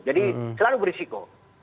jadi selalu berisiko